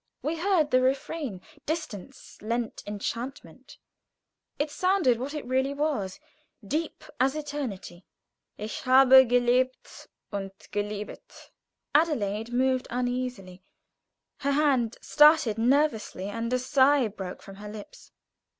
We heard the refrain distance lent enchantment; it sounded what it really was, deep as eternity: "Ich habe gelebt und geliebet." Adelaide moved uneasily; her hand started nervously, and a sigh broke from her lips.